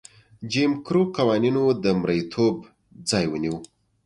جیم کرو قوانینو د مریتوب ځای ونیو.